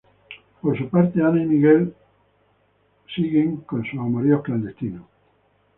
Por el lado de Hanna y Miguel, al inicio siguen con sus amoríos clandestinos.